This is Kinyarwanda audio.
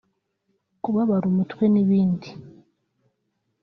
kubabara umutwe n’ibindi